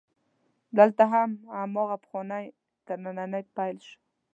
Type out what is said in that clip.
دلته هم هماغه پخوانی ترننی پیل شو.